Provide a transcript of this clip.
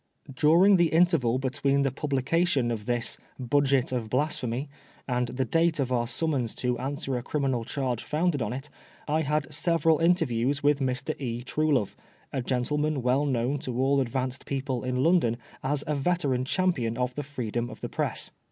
During the interval between the publication of this " budget of blasphemy " and the date of our summons to answer a criminal charge founded on it, I had several interviews with Mr. E. Truelove, a gentleman well known to all advanced people in London as a veteran champion of the freedom as the press.